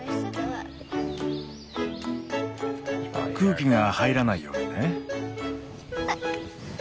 空気が入らないようにね。